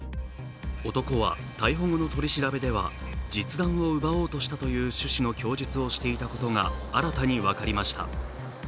男は、逮捕後の取り調べでは、実弾を奪おうとしたという趣旨の供述をしていたことが新たに分かりました。